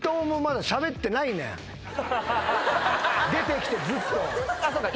出てきてずっと。